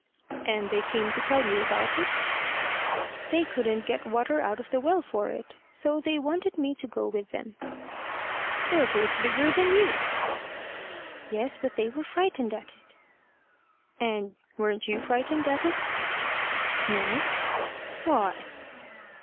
"And they came to tell you about it?" "They couldn't get water out of the well for it. So they wanted me to go with them." "They're both bigger than you." "Yes, but they were frightened at it." "And weren't you frightened at it?" "No." "Why?"